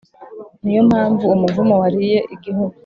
Ni yo mpamvu umuvumo wariye igihugu